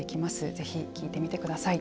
ぜひ聞いてみてください。